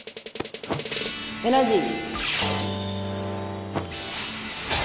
エナジー。